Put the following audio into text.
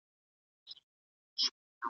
ځکه چې د متن ژبنی جوړښت، اصطلاحات او سبک